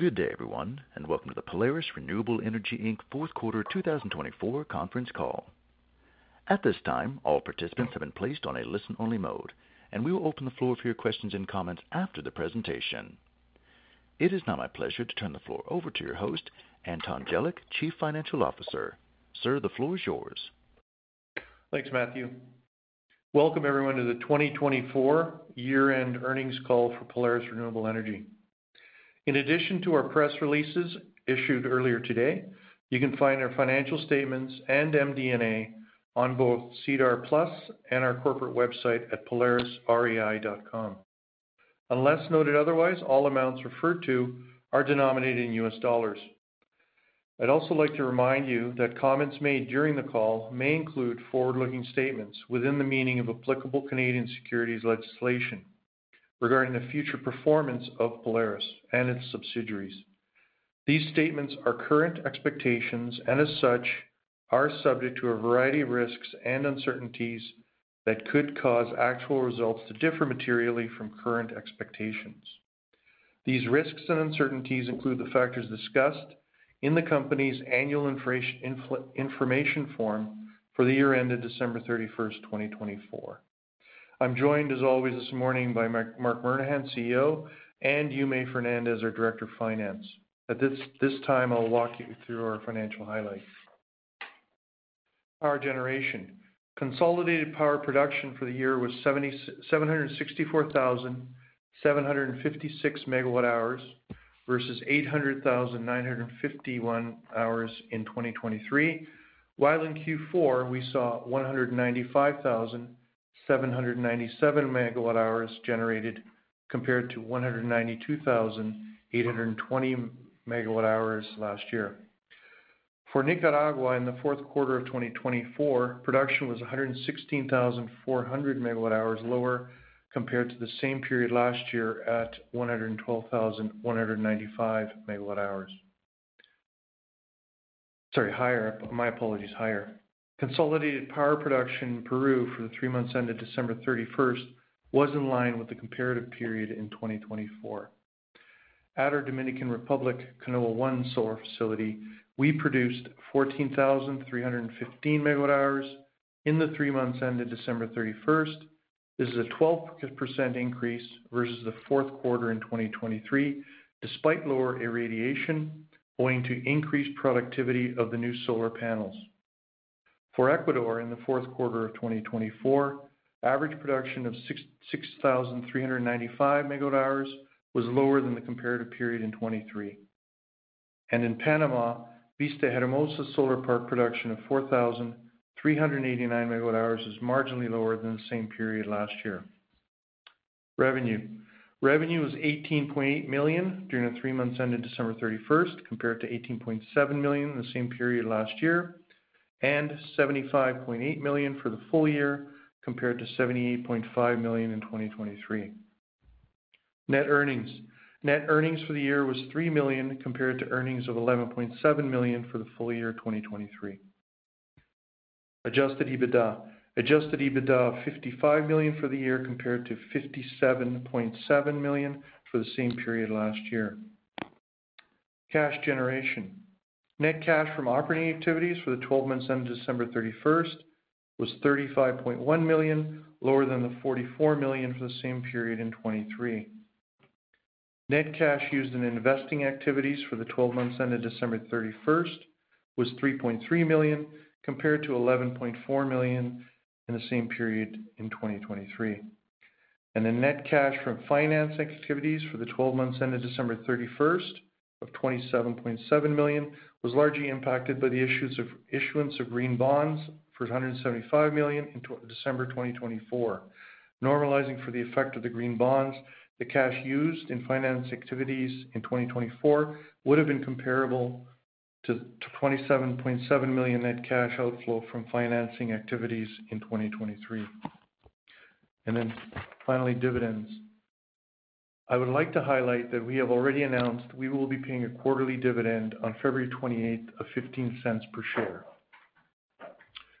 Good day, everyone, and welcome to the Polaris Renewable Energy fourth quarter 2024 conference call. At this time, all participants have been placed on a listen-only mode, and we will open the floor for your questions and comments after the presentation. It is now my pleasure to turn the floor over to your host, Anton Jelic, Chief Financial Officer. Sir, the floor is yours. Thanks, Matthew. Welcome, everyone, to the 2024 year-end earnings call for Polaris Renewable Energy. In addition to our press releases issued earlier today, you can find our financial statements and MD&A on both SEDAR+ and our corporate website at polarisrei.com. Unless noted otherwise, all amounts referred to are denominated in U.S. dollars. I'd also like to remind you that comments made during the call may include forward-looking statements within the meaning of applicable Canadian securities legislation regarding the future performance of Polaris and its subsidiaries. These statements are current expectations and, as such, are subject to a variety of risks and uncertainties that could cause actual results to differ materially from current expectations. These risks and uncertainties include the factors discussed in the company's Annual Information Form for the year ended December 31st, 2024. I'm joined, as always, this morning by Marc Murnaghan, CEO, and Yumey Fernandez, our Director of Finance. At this time, I'll walk you through our financial highlights. Power generation: consolidated power production for the year was 764,756 MWh versus 800,951 MWh in 2023. While in Q4, we saw 195,797 MWh generated compared to 192,820 MWh last year. For Nicaragua, in the fourth quarter of 2024, production was 116,400 MWh, higher compared to the same period last year at 112,195 MWh. Sorry, higher. My apologies. Higher. Consolidated power production in Peru for the three months ended December 31st was in line with the comparative period in 2024. At our Dominican Republic Canoa 1 solar facility, we produced 14,315 MWh in the three months ended December 31st. This is a 12% increase versus the fourth quarter in 2023, despite lower irradiation going to increase productivity of the new solar panels. For Ecuador, in the fourth quarter of 2024, average production of 6,395 MWh was lower than the comparative period in 2023. In Panama, Vista Hermosa Solar Park production of 4,389 MWh is marginally lower than the same period last year. Revenue was $18.8 million during the three months ended December 31st compared to $18.7 million in the same period last year and $75.8 million for the full year compared to $78.5 million in 2023. Net earnings for the year was $3 million compared to earnings of $11.7 million for the full year 2023. Adjusted EBITDA of $55 million for the year compared to $57.7 million for the same period last year. Net cash from operating activities for the 12 months ended December 31st was $35.1 million, lower than the $44 million for the same period in 2023. Net cash used in investing activities for the 12 months ended December 31st was $3.3 million compared to $11.4 million in the same period in 2023. The net cash from finance activities for the 12 months ended December 31st of $27.7 million was largely impacted by the issuance of green bonds for $175 million in December 2024. Normalizing for the effect of the green bonds, the cash used in finance activities in 2024 would have been comparable to the $27.7 million net cash outflow from financing activities in 2023. Finally, dividends. I would like to highlight that we have already announced we will be paying a quarterly dividend on February 28th of $0.15 per share.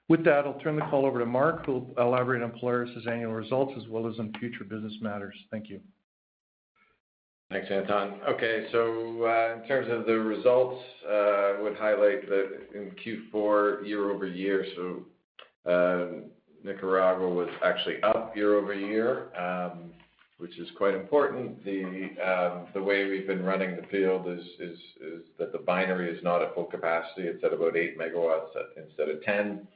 With that, I'll turn the call over to Marc, who will elaborate on Polaris's annual results as well as on future business matters. Thank you. Thanks, Anton. Okay. In terms of the results, I would highlight that in Q4, year-over-year, Nicaragua was actually up year-over-year, which is quite important. The way we've been running the field is that the binary is not at full capacity. It's at about 8 MW instead of 10 MW,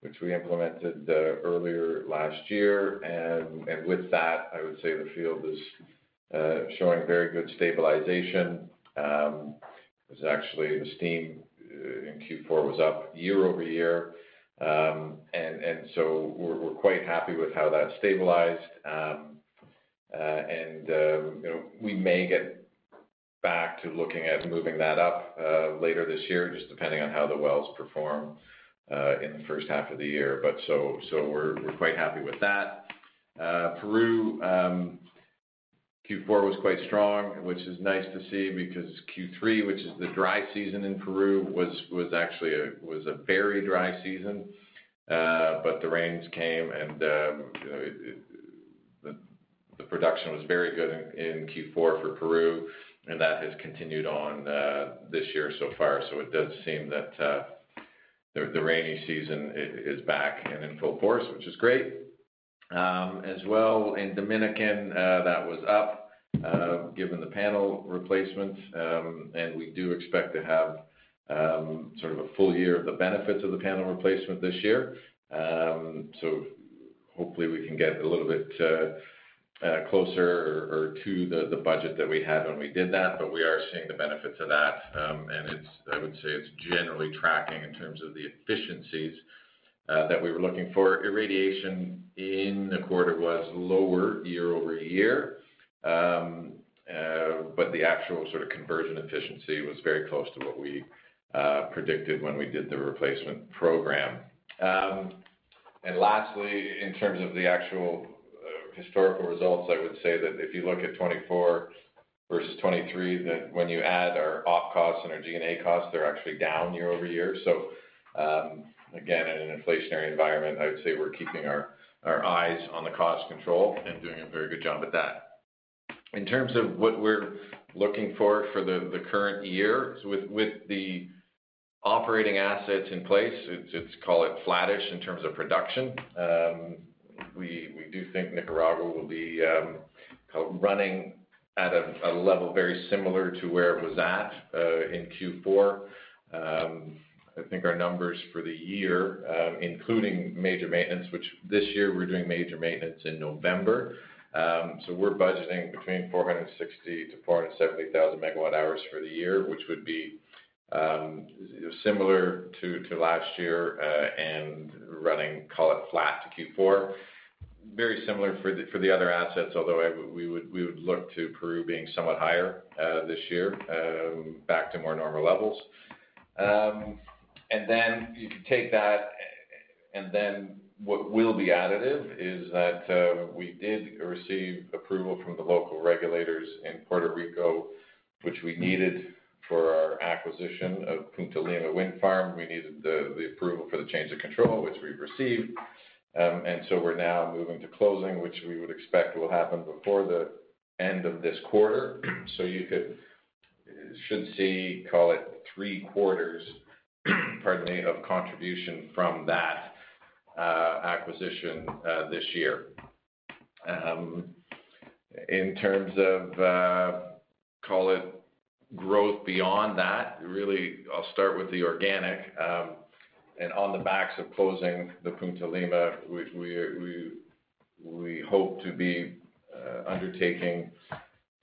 which we implemented earlier last year. With that, I would say the field is showing very good stabilization. Actually, the steam in Q4 was up year-over-year. We are quite happy with how that stabilized. We may get back to looking at moving that up later this year, just depending on how the wells perform in the first half of the year. We are quite happy with that. Peru, Q4 was quite strong, which is nice to see because Q3, which is the dry season in Peru, was actually a very dry season. The rains came and the production was very good in Q4 for Peru. That has continued on this year so far. It does seem that the rainy season is back and in full force, which is great. As well, in Dominican, that was up given the panel replacement. We do expect to have sort of a full year of the benefits of the panel replacement this year. Hopefully we can get a little bit closer or to the budget that we had when we did that. We are seeing the benefits of that. I would say it's generally tracking in terms of the efficiencies that we were looking for. Irradiation in the quarter was lower year-over-year. The actual sort of conversion efficiency was very close to what we predicted when we did the replacement program. Lastly, in terms of the actual historical results, I would say that if you look at 2024 versus 2023, when you add our op costs and our G&A costs, they are actually down year-over-year. Again, in an inflationary environment, I would say we are keeping our eyes on the cost control and doing a very good job at that. In terms of what we are looking for for the current year, with the operating assets in place, let us call it flattish in terms of production. We do think Nicaragua will be running at a level very similar to where it was at in Q4. I think our numbers for the year, including major maintenance, which this year we are doing major maintenance in November. We're budgeting between 460,000 MWh-470,000 MWh for the year, which would be similar to last year and running, call it flat to Q4. Very similar for the other assets, although we would look to Peru being somewhat higher this year, back to more normal levels. You can take that. What will be additive is that we did receive approval from the local regulators in Puerto Rico, which we needed for our acquisition of Punta Lima Wind Farm. We needed the approval for the change of control, which we've received. We are now moving to closing, which we would expect will happen before the end of this quarter. You should see, call it three quarters, pardon me, of contribution from that acquisition this year. In terms of, call it growth beyond that, really, I'll start with the organic. On the backs of closing the Punta Lima, we hope to be undertaking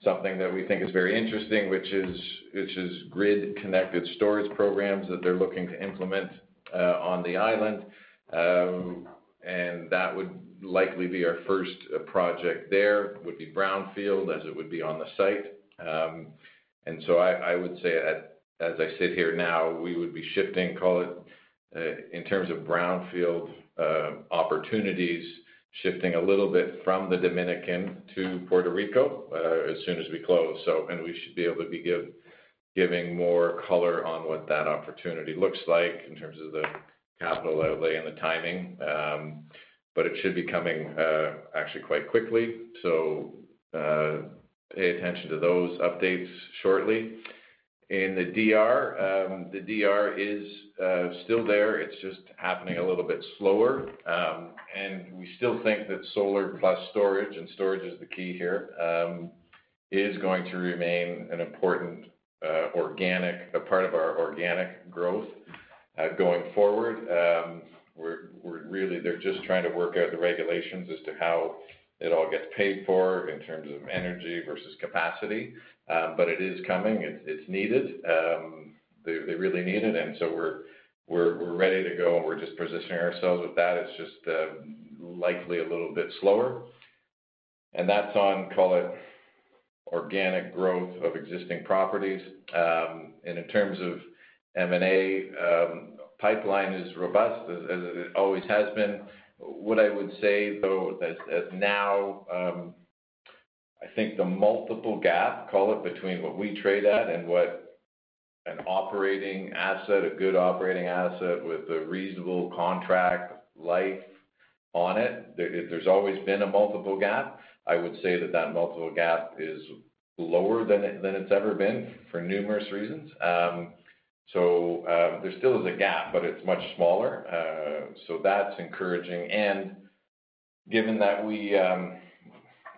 something that we think is very interesting, which is grid-connected storage programs that they're looking to implement on the island. That would likely be our first project there, would be brownfield as it would be on the site. I would say, as I sit here now, we would be shifting, call it in terms of brownfield opportunities, shifting a little bit from the Dominican to Puerto Rico as soon as we close. We should be able to be giving more color on what that opportunity looks like in terms of the capital outlay and the timing. It should be coming actually quite quickly. Pay attention to those updates shortly. In the DR, the DR is still there. It's just happening a little bit slower. We still think that solar plus storage, and storage is the key here, is going to remain an important organic part of our organic growth going forward. We're really just trying to work out the regulations as to how it all gets paid for in terms of energy versus capacity. It is coming. It's needed. They really need it. We're ready to go. We're just positioning ourselves with that. It's just likely a little bit slower. That's on, call it, organic growth of existing properties. In terms of M&A, pipeline is robust as it always has been. What I would say, though, is now, I think the multiple gap, call it, between what we trade at and what an operating asset, a good operating asset with a reasonable contract life on it, there's always been a multiple gap. I would say that that multiple gap is lower than it's ever been for numerous reasons. There still is a gap, but it's much smaller. That's encouraging. Given that we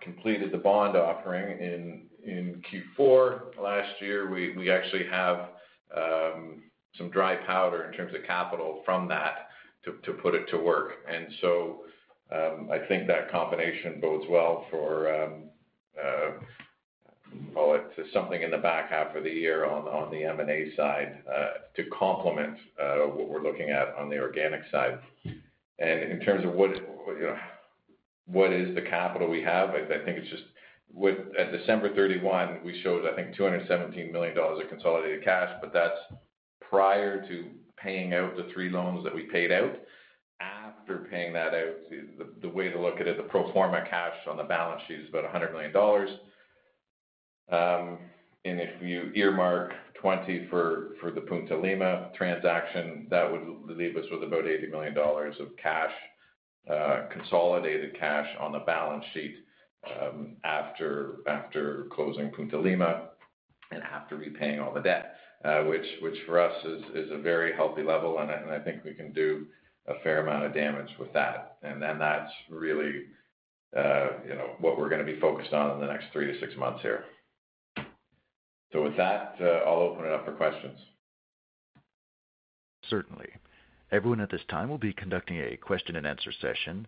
completed the bond offering in Q4 last year, we actually have some dry powder in terms of capital from that to put it to work. I think that combination bodes well for, call it, something in the back half of the year on the M&A side to complement what we're looking at on the organic side. In terms of what is the capital we have, I think it's just at December 31, we showed, I think, $217 million of consolidated cash. That's prior to paying out the three loans that we paid out. After paying that out, the way to look at it, the pro forma cash on the balance sheet is about $100 million. If you earmark 20 for the Punta Lima transaction, that would leave us with about $80 million of consolidated cash on the balance sheet after closing Punta Lima and after repaying all the debt, which for us is a very healthy level. I think we can do a fair amount of damage with that. That is really what we're going to be focused on in the next three to six months here. With that, I'll open it up for questions. Certainly. Everyone at this time will be conducting a question and answer session.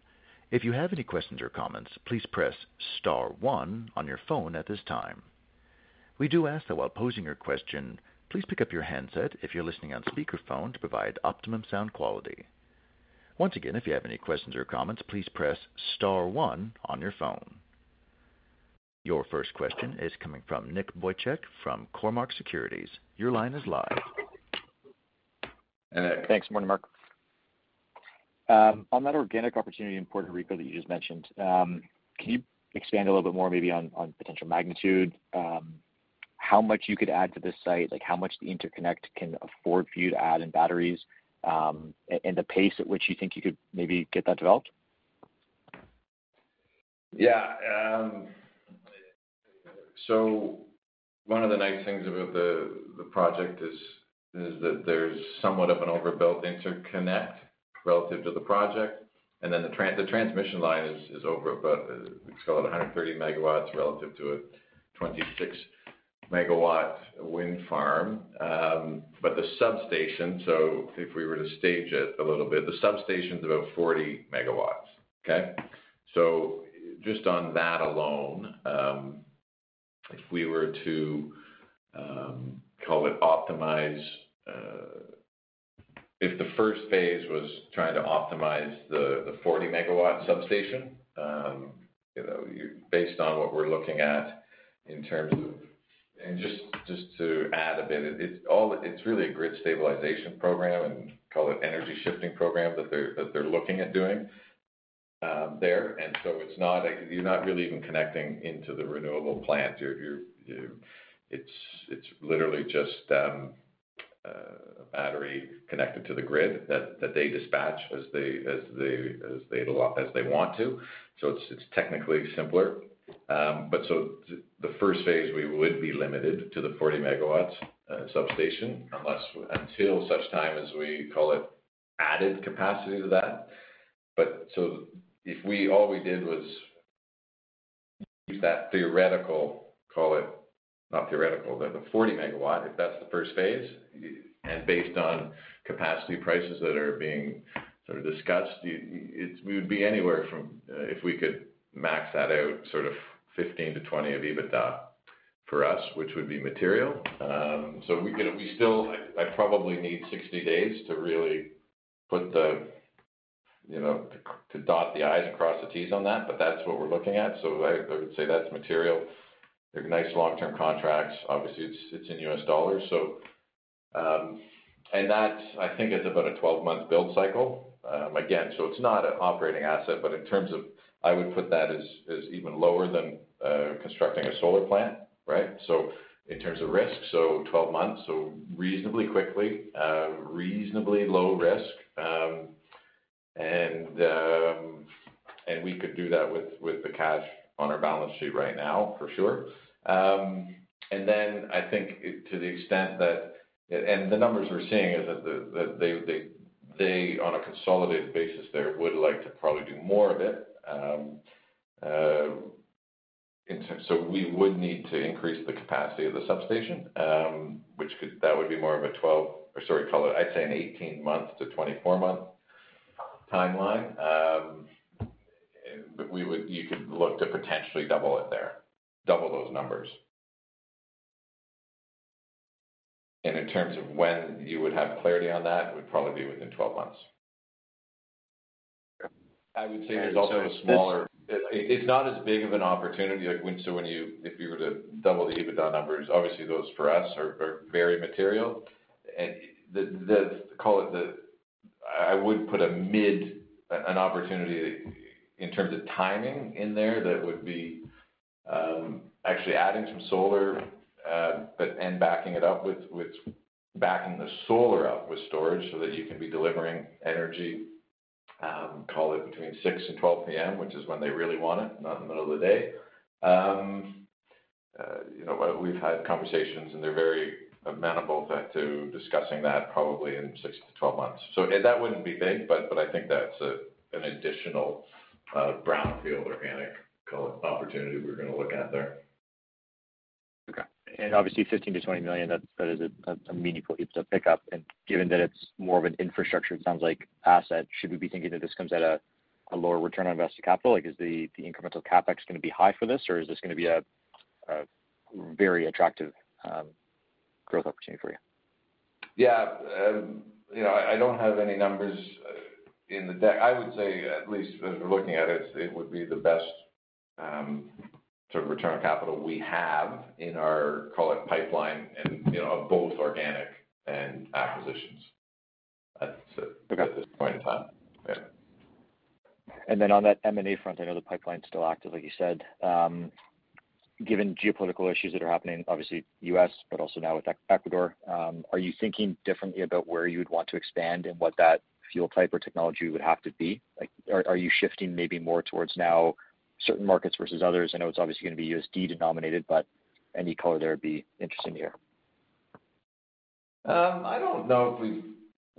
If you have any questions or comments, please press star one on your phone at this time. We do ask that while posing your question, please pick up your handset if you're listening on speakerphone to provide optimum sound quality. Once again, if you have any questions or comments, please press star one on your phone. Your first question is coming from Nick Wojcik from Cormark Securities. Your line is live. Thanks. Good morning, Marc. On that organic opportunity in Puerto Rico that you just mentioned, can you expand a little bit more maybe on potential magnitude? How much you could add to this site, how much the interconnect can afford for you to add in batteries, and the pace at which you think you could maybe get that developed? Yeah. One of the nice things about the project is that there's somewhat of an overbuilt interconnect relative to the project. The transmission line is over, let's call it, 130 MW relative to a 26 MW wind farm. The substation, if we were to stage it a little bit, is about 40 MW. Okay? Just on that alone, if we were to, call it, optimize, if the first phase was trying to optimize the 40 MW substation, based on what we're looking at in terms of, and just to add a bit, it's really a grid stabilization program and, call it, energy shifting program that they're looking at doing there. You're not really even connecting into the renewable plant. It's literally just a battery connected to the grid that they dispatch as they want to. It's technically simpler. The first phase, we would be limited to the 40 MW substation until such time as we, call it, added capacity to that. If all we did was use that theoretical, call it, not theoretical, the 40 MW, if that's the first phase, and based on capacity prices that are being sort of discussed, we would be anywhere from, if we could max that out, sort of $15 million-$20 million of EBITDA for us, which would be material. I probably need 60 days to really dot the i's and cross the t's on that. That is what we're looking at. I would say that's material. They're nice long-term contracts. Obviously, it's in U.S. dollars. That, I think, is about a 12-month build cycle. Again, it's not an operating asset. In terms of, I would put that as even lower than constructing a solar plant, right? In terms of risk, 12 months, so reasonably quickly, reasonably low risk. We could do that with the cash on our balance sheet right now, for sure. I think to the extent that, and the numbers we're seeing is that they, on a consolidated basis there, would like to probably do more of it. We would need to increase the capacity of the substation, which that would be more of a 12-month, or sorry, call it, I'd say an 18-month to 24-month timeline. You could look to potentially double it there, double those numbers. In terms of when you would have clarity on that, it would probably be within 12 months. I would say there's also a smaller. It's not as big of an opportunity. If you were to double the EBITDA numbers, obviously those for us are very material. Call it the, I would put an opportunity in terms of timing in there that would be actually adding some solar, but then backing it up with, backing the solar up with storage so that you can be delivering energy, call it, between 6:00 and 12:00 P.M., which is when they really want it, not in the middle of the day. We've had conversations, and they're very amenable to discussing that probably in 6 months to 12 months. That would not be big. I think that's an additional brownfield organic, call it, opportunity we're going to look at there. Okay. Obviously, $15 million-$20 million, that is a meaningful EBITDA pickup. Given that it's more of an infrastructure, it sounds like, asset, should we be thinking that this comes at a lower return on invested capital? Is the incremental CapEx going to be high for this, or is this going to be a very attractive growth opportunity for you? Yeah. I do not have any numbers in the deck. I would say, at least as we are looking at it, it would be the best sort of return on capital we have in our, call it, pipeline of both organic and acquisitions. That is it at this point in time. Yeah. On that M&A front, I know the pipeline's still active, like you said. Given geopolitical issues that are happening, obviously, U.S., but also now with Ecuador, are you thinking differently about where you would want to expand and what that fuel type or technology would have to be? Are you shifting maybe more towards now certain markets versus others? I know it's obviously going to be USD-denominated, but any color there would be interesting to hear. I don't know if we've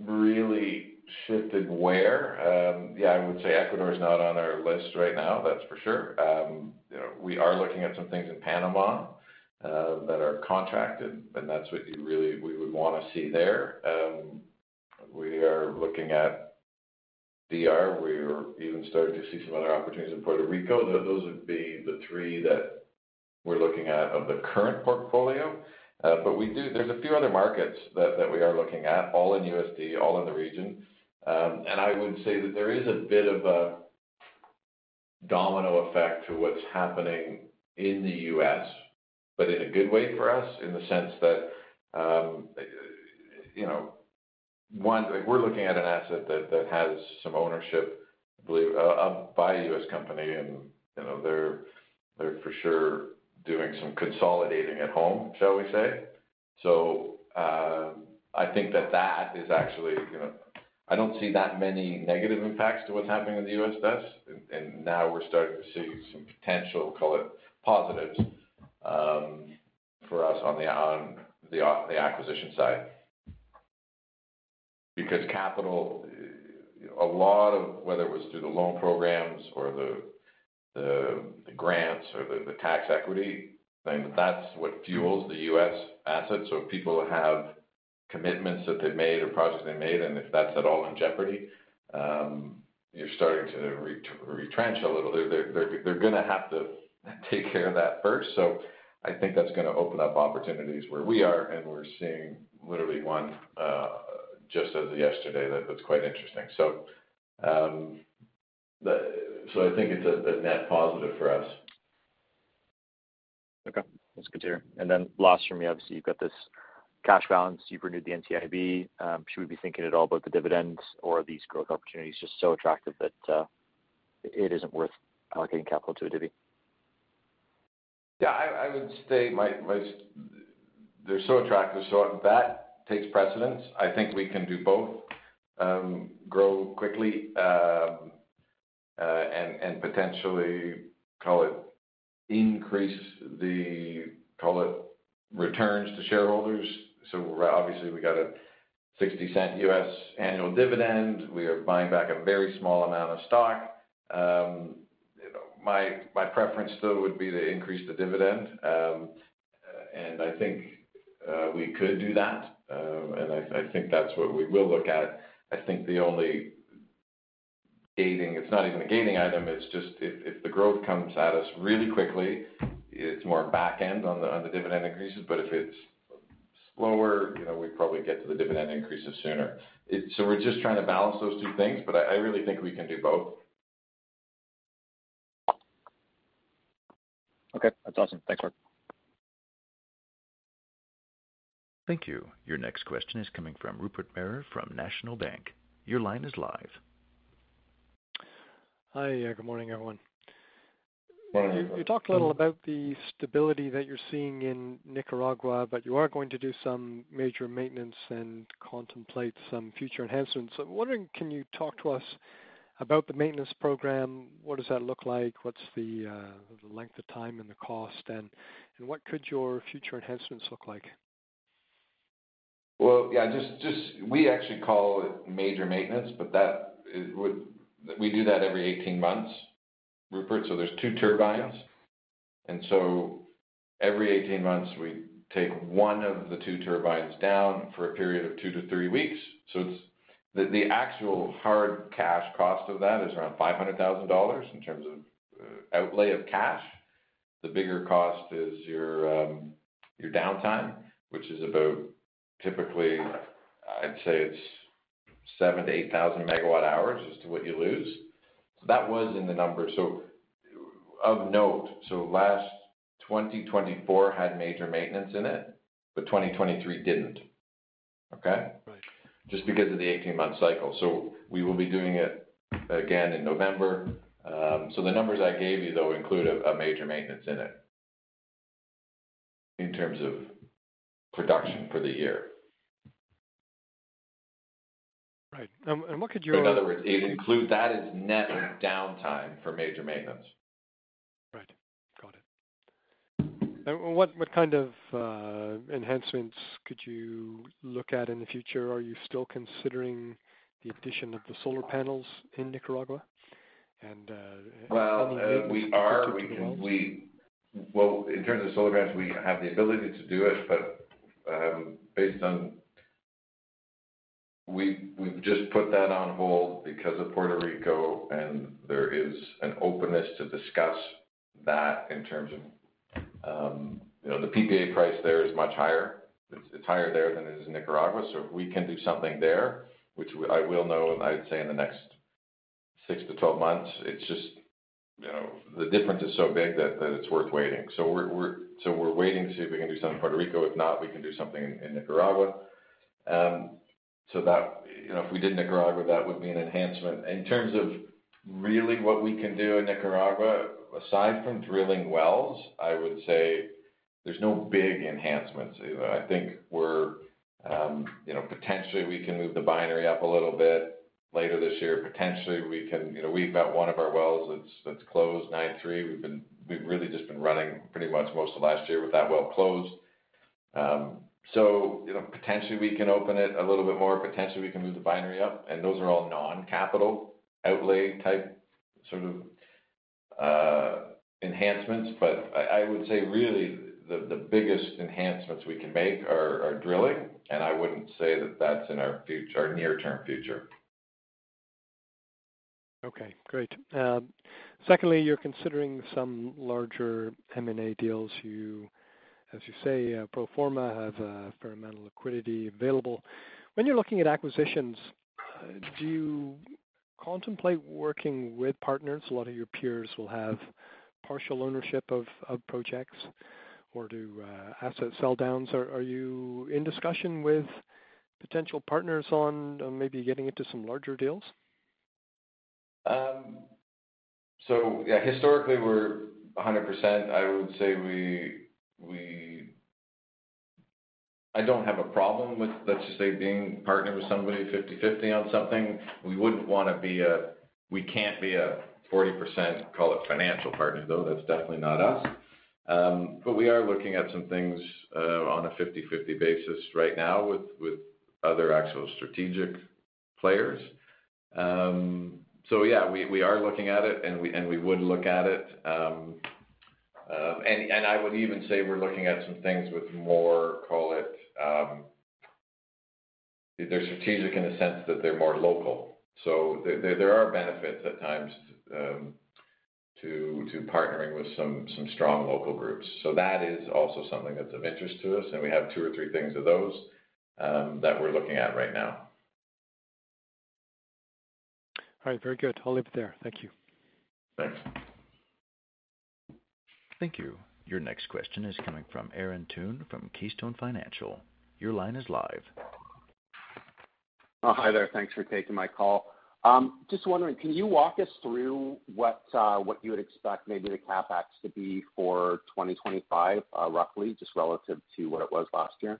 really shifted where. Yeah, I would say Ecuador is not on our list right now, that's for sure. We are looking at some things in Panama that are contracted, and that's what we would want to see there. We are looking at DR. We are even starting to see some other opportunities in Puerto Rico. Those would be the three that we're looking at of the current portfolio. There are a few other markets that we are looking at, all in USD, all in the region. I would say that there is a bit of a domino effect to what's happening in the U.S., but in a good way for us, in the sense that one, we're looking at an asset that has some ownership, I believe, by a U.S. company. They're for sure doing some consolidating at home, shall we say. I think that that is actually, I don't see that many negative impacts to what's happening in the U.S., thus. Now we're starting to see some potential, call it, positives for us on the acquisition side. Because capital, a lot of whether it was through the loan programs or the grants or the tax equity thing, that's what fuels the U.S. assets. If people have commitments that they've made or projects they've made, and if that's at all in jeopardy, you're starting to retrench a little. They're going to have to take care of that first. I think that's going to open up opportunities where we are. We're seeing literally one just as of yesterday that's quite interesting. I think it's a net positive for us. Okay. That's good to hear. Then last from me, obviously, you've got this cash balance. You've renewed the NCIB. Should we be thinking at all about the dividends or are these growth opportunities just so attractive that it isn't worth allocating capital to a divvy? Yeah. I would say they're so attractive. That takes precedence. I think we can do both, grow quickly, and potentially, call it, increase the, call it, returns to shareholders. Obviously, we got a $0.60 U.S. annual dividend. We are buying back a very small amount of stock. My preference still would be to increase the dividend. I think we could do that. I think that's what we will look at. I think the only gating, it's not even a gating item. If the growth comes at us really quickly, it's more back end on the dividend increases. If it's slower, we probably get to the dividend increases sooner. We are just trying to balance those two things. I really think we can do both. Okay. That's awesome. Thanks, Marc. Thank you. Your next question is coming from Rupert Merer from National Bank. Your line is live. Hi. Good morning, everyone. You talked a little about the stability that you're seeing in Nicaragua, but you are going to do some major maintenance and contemplate some future enhancements. I'm wondering, can you talk to us about the maintenance program? What does that look like? What's the length of time and the cost? What could your future enhancements look like? We actually call it major maintenance, but we do that every 18 months, Rupert. There are two turbines. Every 18 months, we take one of the two turbines down for a period of two to three weeks. The actual hard cash cost of that is around $500,000 in terms of outlay of cash. The bigger cost is your downtime, which is about typically, I'd say it's 7,000 MWh-8,000 MWh as to what you lose. That was in the numbers. Of note, last 2024 had major maintenance in it, but 2023 did not, just because of the 18-month cycle. We will be doing it again in November. The numbers I gave you, though, include a major maintenance in it in terms of production for the year. Right. What could your. In other words, that is net downtime for major maintenance. Right. Got it. What kind of enhancements could you look at in the future? Are you still considering the addition of the solar panels in Nicaragua? And how many? In terms of solar panels, we have the ability to do it. But based on we've just put that on hold because of Puerto Rico, and there is an openness to discuss that in terms of the PPA price. There it is much higher. It's higher there than it is in Nicaragua. If we can do something there, which I will know, I'd say in the next 6 months to 12 months, the difference is so big that it's worth waiting. We are waiting to see if we can do something in Puerto Rico. If not, we can do something in Nicaragua. If we did Nicaragua, that would be an enhancement. In terms of really what we can do in Nicaragua, aside from drilling wells, I would say there's no big enhancements. I think potentially we can move the binary up a little bit later this year. Potentially, we can, we've got one of our wells that's closed, 93. We've really just been running pretty much most of last year with that well closed. Potentially, we can open it a little bit more. Potentially, we can move the binary up. Those are all non-capital outlay type sort of enhancements. I would say really the biggest enhancements we can make are drilling. I wouldn't say that that's in our near-term future. Okay. Great. Secondly, you're considering some larger M&A deals. As you say, pro forma has a fair amount of liquidity available. When you're looking at acquisitions, do you contemplate working with partners? A lot of your peers will have partial ownership of projects. Or do asset sell-downs? Are you in discussion with potential partners on maybe getting into some larger deals? Yeah, historically, we're 100%. I would say I don't have a problem with, let's just say, being partnered with somebody 50/50 on something. We wouldn't want to be a, we can't be a 40%, call it, financial partner, though. That's definitely not us. We are looking at some things on a 50/50 basis right now with other actual strategic players. Yeah, we are looking at it, and we would look at it. I would even say we're looking at some things with more, call it, they're strategic in the sense that they're more local. There are benefits at times to partnering with some strong local groups. That is also something that's of interest to us. We have two or three things of those that we're looking at right now. All right. Very good. I'll leave it there. Thank you. Thanks. Thank you. Your next question is coming from Aaron Dunn from Keystone Financial. Your line is live. Hi there. Thanks for taking my call. Just wondering, can you walk us through what you would expect maybe the CapEx to be for 2025, roughly, just relative to what it was last year?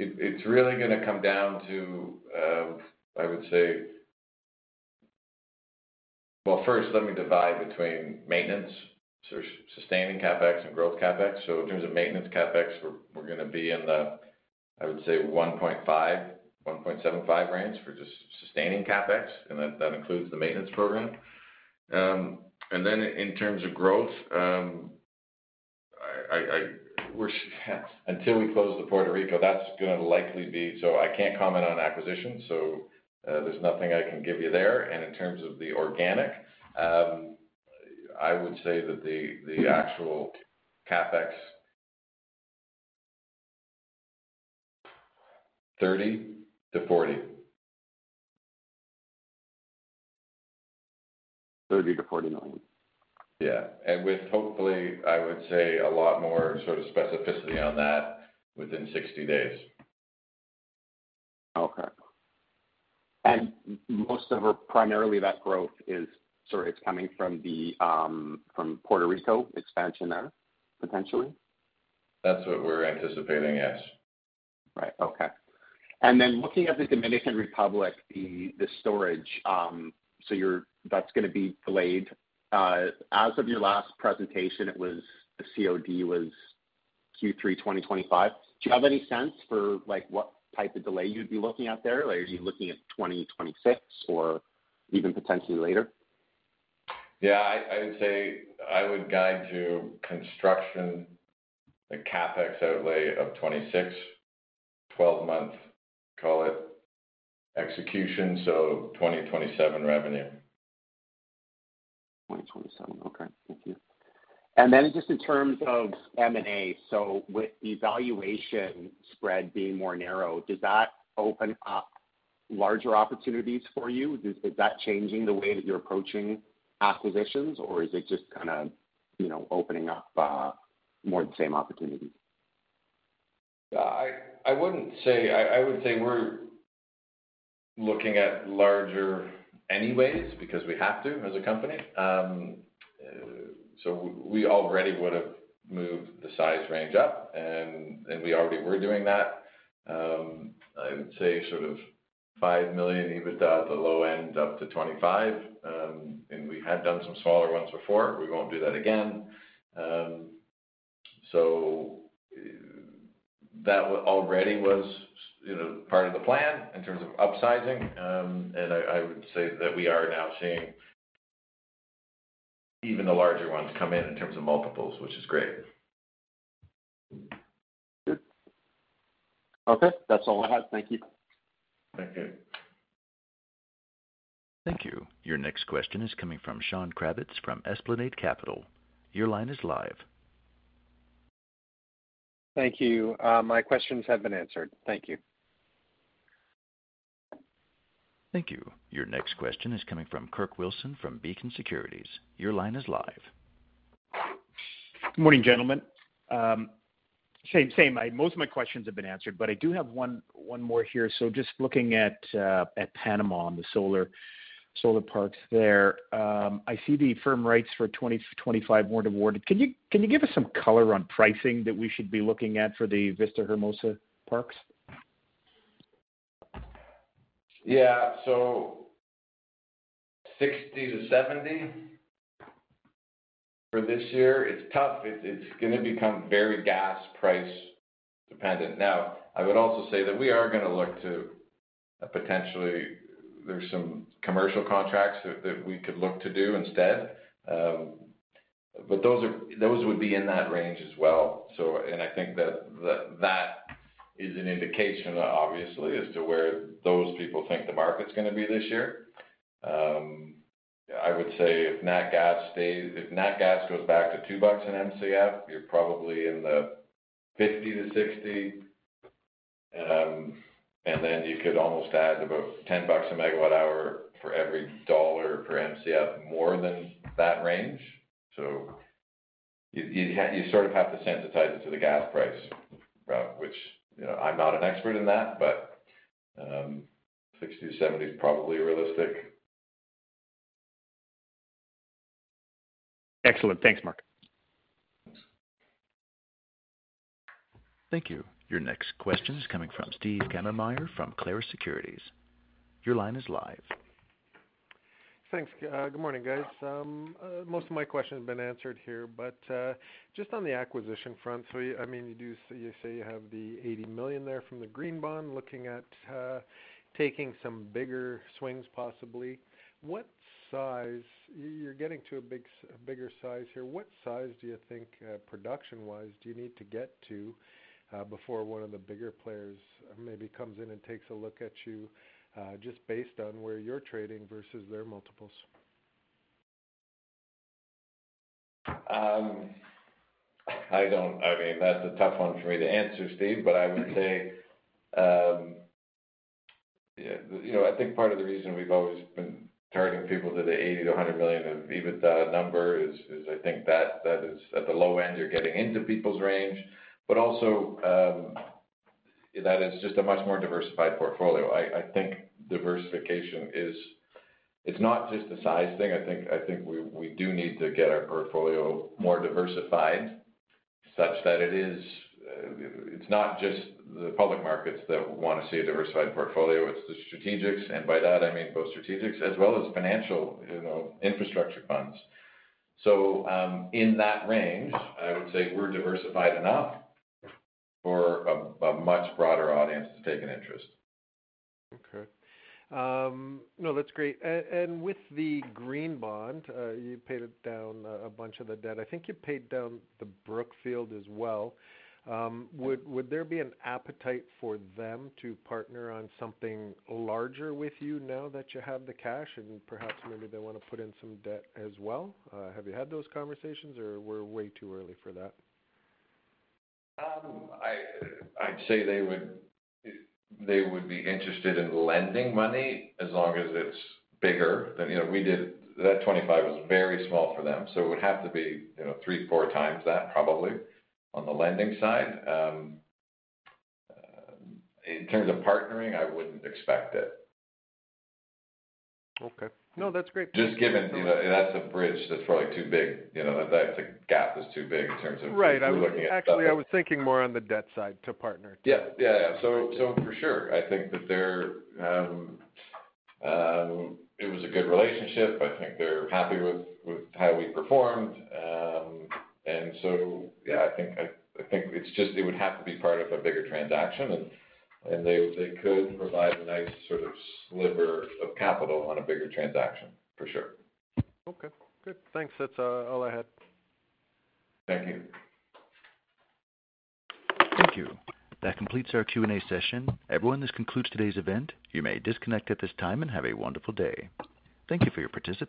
It's really going to come down to, I would say, first, let me divide between maintenance, sustaining CapEx, and growth CapEx. In terms of maintenance CapEx, we're going to be in the, I would say, $1.5 million-$1.75 million range for just sustaining CapEx. That includes the maintenance program. In terms of growth, until we close the Puerto Rico, that's going to likely be, so I can't comment on acquisitions. There's nothing I can give you there. In terms of the organic, I would say that the actual CapEx, $30 million-$40 million. $30 million-$40 million. Yeah. Hopefully, I would say, a lot more sort of specificity on that within 60 days. Okay. Most of primarily that growth is sort of coming from Puerto Rico expansion there, potentially? That's what we're anticipating, yes. Right. Okay. Looking at the Dominican Republic, the storage, so that's going to be delayed. As of your last presentation, the COD was Q3 2025. Do you have any sense for what type of delay you'd be looking at there? Are you looking at 2026 or even potentially later? Yeah. I would say I would guide you construction, the CapEx outlay of 2026, 12-month, call it, execution. So 2027 revenue. 2027. Okay. Thank you. In terms of M&A, with the valuation spread being more narrow, does that open up larger opportunities for you? Is that changing the way that you're approaching acquisitions, or is it just kind of opening up more of the same opportunities? I would not say. I would say we are looking at larger anyways because we have to as a company. We already would have moved the size range up, and we already were doing that. I would say sort of $5 million, even the low end, up to $25 million. We had done some smaller ones before. We will not do that again. That already was part of the plan in terms of upsizing. I would say that we are now seeing even the larger ones come in in terms of multiples, which is great. Good. Okay. That's all I had. Thank you. Thank you. Thank you. Your next question is coming from Shawn Kravetz from Esplanade Capital. Your line is live. Thank you. My questions have been answered. Thank you. Thank you. Your next question is coming from Kirk Wilson from Beacon Securities. Your line is live. Good morning, gentlemen. Same. Most of my questions have been answered, but I do have one more here. Just looking at Panama on the solar parks there, I see the firm rights for 2025 were not awarded. Can you give us some color on pricing that we should be looking at for the Vista Hermosa parks? Yeah. 60-70 for this year. It's tough. It's going to become very gas price dependent. I would also say that we are going to look to potentially, there's some commercial contracts that we could look to do instead. Those would be in that range as well. I think that is an indication, obviously, as to where those people think the market's going to be this year. I would say if nat gas goes back to $2 an MCF, you're probably in the 50-60. You could almost add about $10 a megawatt-hour for every dollar per MCF more than that range. You sort of have to sensitize it to the gas price, which I'm not an expert in that, but 60-70 is probably realistic. Excellent. Thanks, Marc. Thanks. Thank you. Your next question is coming from Steve Kammermayer from Clarus Securities. Your line is live. Thanks. Good morning, guys. Most of my questions have been answered here. Just on the acquisition front, I mean, you say you have the $80 million there from the green bond, looking at taking some bigger swings possibly. You're getting to a bigger size here. What size do you think, production-wise, do you need to get to before one of the bigger players maybe comes in and takes a look at you just based on where you're trading versus their multiples? I mean, that's a tough one for me to answer, Steve, but I would say I think part of the reason we've always been targeting people to the $80 million-$100 million of EBITDA number is I think that at the low end, you're getting into people's range. Also, that is just a much more diversified portfolio. I think diversification is not just a size thing. I think we do need to get our portfolio more diversified such that it's not just the public markets that want to see a diversified portfolio. It's the strategics. By that, I mean both strategics as well as financial infrastructure funds. In that range, I would say we're diversified enough for a much broader audience to take an interest. Okay. No, that's great. With the green bond, you paid down a bunch of the debt. I think you paid down the Brookfield as well. Would there be an appetite for them to partner on something larger with you now that you have the cash? Perhaps maybe they want to put in some debt as well. Have you had those conversations, or we're way too early for that? I'd say they would be interested in lending money as long as it's bigger. We did that $25 was very small for them. It would have to be three, four times that, probably, on the lending side. In terms of partnering, I wouldn't expect it. Okay. No, that's great. Just given that's a bridge that's probably too big. That gap is too big in terms of who we're looking at. Right. Actually, I was thinking more on the debt side to partner. Yeah. Yeah. I think that it was a good relationship. I think they're happy with how we performed. I think it would have to be part of a bigger transaction. They could provide a nice sort of sliver of capital on a bigger transaction, for sure. Okay. Good. Thanks. That's all I had. Thank you. Thank you. That completes our Q&A session. Everyone, this concludes today's event. You may disconnect at this time and have a wonderful day. Thank you for your participation.